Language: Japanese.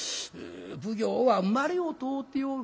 奉行は生まれを問うておる。